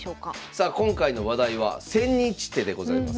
さあ今回の話題は「千日手」でございます。